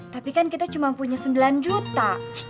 tapi kan kita cuma punya sembilan juta